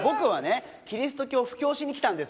キリスト教布教しに来たんですよ。